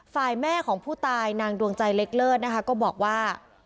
ฝ่ายแม่ของผู้ตายนางดวงใจเล็กเลิศนะคะก็บอกว่า